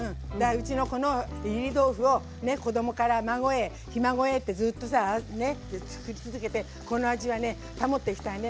うちのこのいり豆腐を子どもから孫へひ孫へってずっとさね作り続けてこの味はね保っていきたいね。